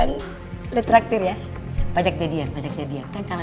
nih mikirin mbak andin